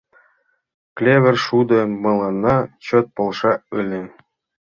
Клевыр шудо мыланна чот полша ыле.